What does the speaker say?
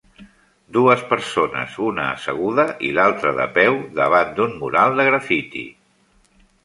Dues persones, una asseguda i l'altra de peu, davant d'un mural de graffiti.